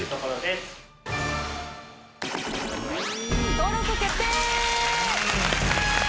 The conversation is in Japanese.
登録決定！